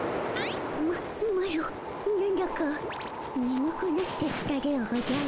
ママロなんだかねむくなってきたでおじゃる。